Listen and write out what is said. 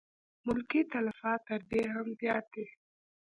ملکي تلفات تر دې هم زیات دي.